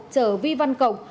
chở vi văn cộng